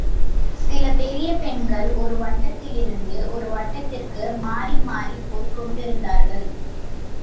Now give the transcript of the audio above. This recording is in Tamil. சில பெரிய பெண்கள் ஒரு வட்டத்திலிருந்து ஒரு வட்டத்திற்கு மாறி மாறிப் போய்க் கொண்டிருந்தார்கள்.